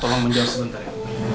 tolong menjauh sebentar ya